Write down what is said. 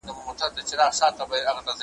محتسب په سترګو ړوند وي په غضب یې ګرفتار کې `